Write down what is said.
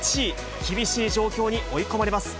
厳しい状況に追い込まれます。